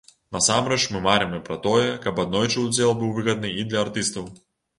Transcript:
Насамрэч, мы марым і пра тое, каб аднойчы удзел быў выгадным і для артыстаў.